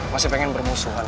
masih pengen bermusuhan sama gue